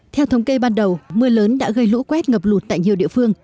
theo thống kê ban đầu mưa lớn đã gây lũ quét ngập lụt tại nhiều địa phương